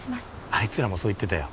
あいつらもそう言ってたよ